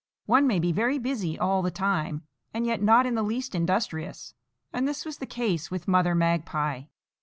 One may be very busy all the time, and yet not in the least industrious; and this was the case with Mother Magpie.